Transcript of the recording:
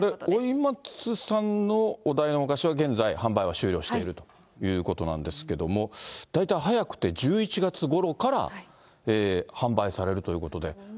老松さんのお題のお菓子は現在、販売は終了しているということなんですけども、大体早くて１１月ごろから販売されるということで。